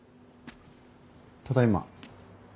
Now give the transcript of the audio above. ただいま。